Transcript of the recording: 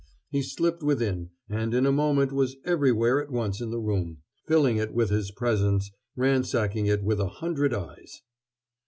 He slipped within, and in a moment was everywhere at once in the room, filling it with his presence, ransacking it with a hundred eyes.